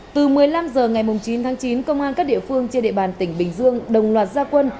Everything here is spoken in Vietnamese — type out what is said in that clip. từ một mươi năm h ngày chín tháng chín công an các địa phương trên địa bàn tỉnh bình dương đồng loạt gia quân